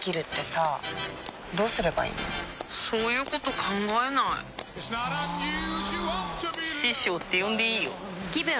そういうこと考えないあ師匠って呼んでいいよぷ